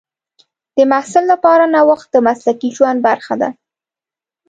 د محصل لپاره نوښت د مسلکي ژوند برخه ده.